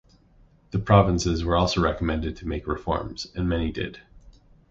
The provinces were also recommended to make reforms, and many did.